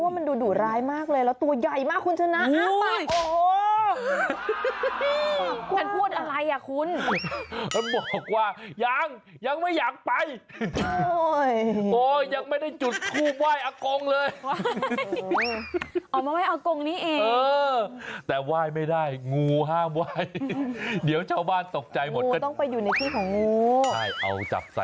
ว่ามันดูดุร้ายมากเลยแล้วตัวใหญ่มากคุณชนะ